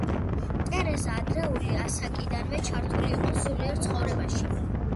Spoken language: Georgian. ტერეზა ადრეული ასაკიდანვე ჩართული იყო სულიერ ცხოვრებაში.